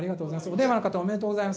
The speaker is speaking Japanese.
お電話の方おめでとうございます。